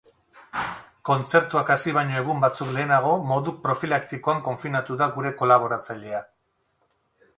Kontzertuak hasi baino egun batzuk lehenago modu profilaktikoan konfinatu da gure kolaboratzailea.